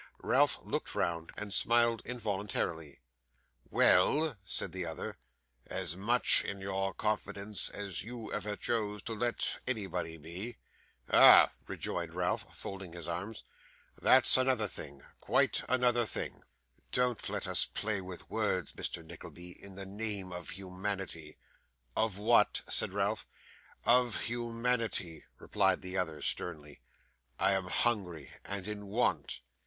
Ralph looked round, and smiled involuntarily. 'Well,' said the other, 'as much in your confidence as you ever chose to let anybody be.' 'Ah!' rejoined Ralph, folding his arms; 'that's another thing, quite another thing.' 'Don't let us play upon words, Mr. Nickleby, in the name of humanity.' 'Of what?' said Ralph. 'Of humanity,' replied the other, sternly. 'I am hungry and in want.